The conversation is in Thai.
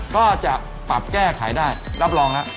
ก็จะปรับแก้ไขได้รับรองฮะ